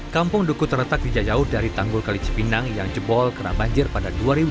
kampung duku terletak di jajahut dari tanggul kalijipinang yang jebol kena banjir pada dua ribu dua puluh